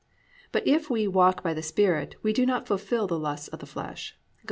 But if we "walk by the Spirit" we do not "fulfil the lusts of the flesh" (Gal.